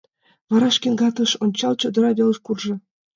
Вара шеҥгекат ыш ончал, чодыра велыш куржо.